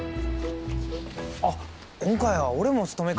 あっ今回は俺もお勤めか？